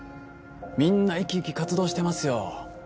みんな生き生き活動してますよ